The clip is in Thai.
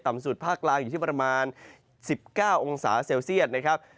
สุดภาคกลางอยู่ที่ประมาณ๑๙องศาเซลเซียตนะครับ